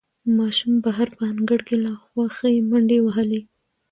ماشوم بهر په انګړ کې له خوښۍ منډې وهلې